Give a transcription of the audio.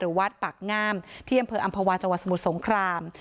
หรือวัดปักงามที่อัมพวาจังหวัดสมุดสงคราม